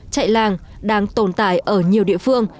chạy làng đang tồn tại ở nhiều địa phương